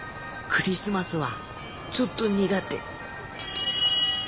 クリスマスはちょっと苦手。